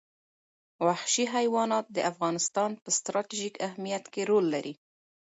وحشي حیوانات د افغانستان په ستراتیژیک اهمیت کې رول لري.